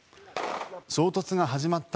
衝突が始まった